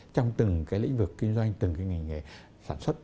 trong từng lĩnh vực kinh doanh từng ngành nghề sản xuất